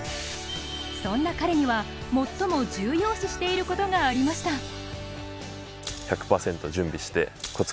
そんな彼には最も重要視していることがありました。